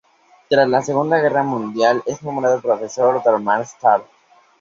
Tras la Segunda Guerra Mundial es nombrado profesor en Darmstadt.